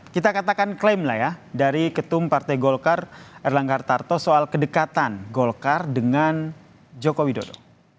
kita katakan klaim lah ya dari ketum partai golkar erlangga hartarto soal kedekatan golkar dengan joko widodo